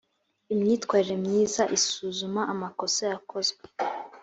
imyitwarire myiza isuzuma amakosa yakozwe